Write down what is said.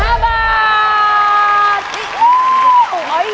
ราคาอยู่ที่